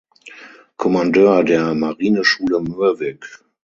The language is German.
Kommandeur der Marineschule Mürwik.